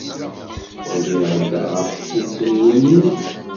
Rriɣ-d ɣef tuttriwin-nnek.